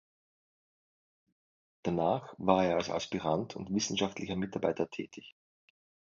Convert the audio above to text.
Danach war er als Aspirant und wissenschaftlicher Mitarbeiter tätig.